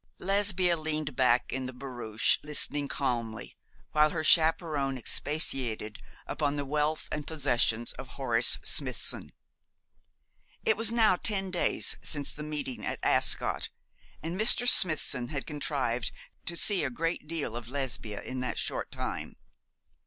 Lesbia leaned back in the barouche listening calmly, while her chaperon expatiated upon the wealth and possessions of Horace Smithson. It was now ten days since the meeting at Ascot, and Mr. Smithson had contrived to see a great deal of Lesbia in that short time.